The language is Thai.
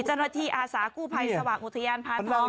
เจ้านัทีอาศากู้ภัยสวะงุธยานพานทองนั่ง